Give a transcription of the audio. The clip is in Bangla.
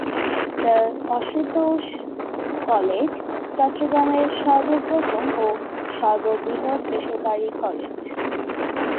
স্যার আশুতোষ কলেজ চট্টগ্রামের সর্বপ্রথম ও সর্ববৃহৎ বেসরকারি কলেজ।